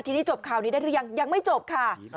ทีนี้จบข่าวนี้ได้หรือยังยังไม่จบค่ะ